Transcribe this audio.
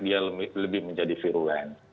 dia lebih menjadi virulen